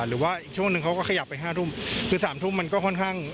หรือว่าอีกช่วงหนึ่งเขาก็ขยับไปห้าทุ่มคือสามทุ่มมันก็ค่อนข้าง